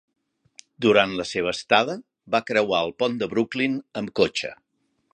Durant la seva estada, va creuar el pont de Brooklyn amb cotxe.